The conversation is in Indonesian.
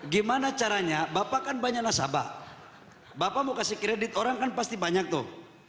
gimana caranya bapak kan banyak nasabah bapak mau kasih kredit orang kan pasti banyak tuh